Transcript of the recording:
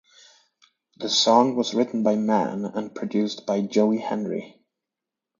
The song was written by Mann and produced by Joe Henry.